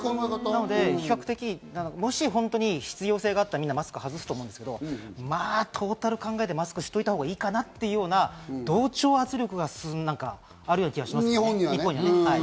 なので比較的もし本当に必要性があったら、みんなマスクを外すと思うんですけど、トータル考えてマスクしといたほうがいいかなっていうような同調圧力がある気がします、日本には。